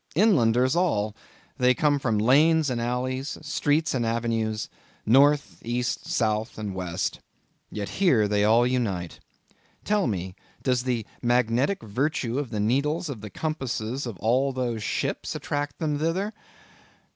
Inlanders all, they come from lanes and alleys, streets and avenues—north, east, south, and west. Yet here they all unite. Tell me, does the magnetic virtue of the needles of the compasses of all those ships attract them thither?